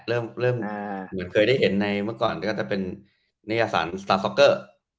เหมือนเคยได้เห็นในเมื่อก่อนจะเป็นนิยสารสตาร์ทซอคเกอร์